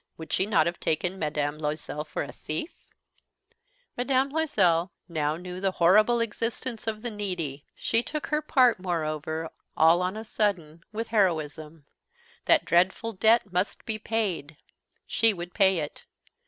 Would she not have taken Mme. Loisel for a thief? Mme. Loisel now knew the horrible existence of the needy. She took her part, moreover, all on a sudden, with heroism. That dreadful debt must be paid. She would pay it.